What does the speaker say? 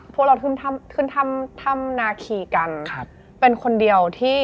พวกเราขึ้นทำนาคีกันเป็นคนเดียวที่